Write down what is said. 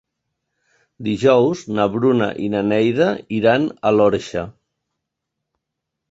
Dijous na Bruna i na Neida iran a l'Orxa.